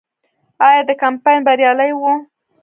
آیا دا کمپاین بریالی و؟